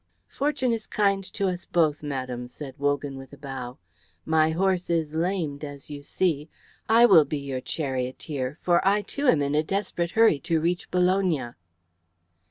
"Fortune is kind to us both, madam," said Wogan, with a bow. "My horse is lamed, as you see. I will be your charioteer, for I too am in a desperate hurry to reach Bologna."